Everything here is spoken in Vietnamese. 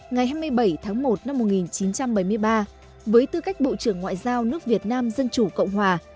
ngày hai mươi bảy tháng một năm một nghìn chín trăm bảy mươi ba với tư cách bộ trưởng ngoại giao nước việt nam dân chủ cộng hòa